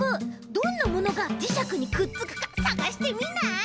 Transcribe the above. どんなものがじしゃくにくっつくかさがしてみない？